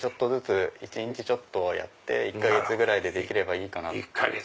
一日ちょっとやって１か月ぐらいでできればいい。